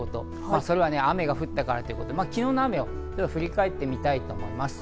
それは雨が降ったからということで、昨日の雨を振り返ってみたいと思います。